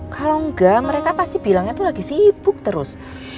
kalau enggak mereka pasti bilangnya tuh lagi sibuk terus